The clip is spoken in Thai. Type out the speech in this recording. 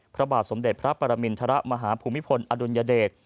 พระบาทสมเด็จพระปรมินทรมาฮภูมิพลอดุลยเดช